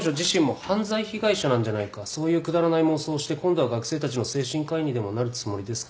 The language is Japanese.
そういうくだらない妄想をして今度は学生たちの精神科医にでもなるつもりですか？